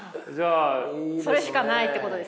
それしかないってことですね。